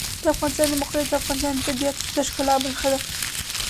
د افغانستان د موقعیت د افغانستان د طبیعت د ښکلا برخه ده.